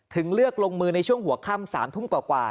เลือกลงมือในช่วงหัวค่ำ๓ทุ่มกว่า